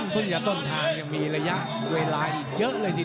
เพิ่งจะต้นทางยังมีระยะเวลาอีกเยอะเลยทีเดียว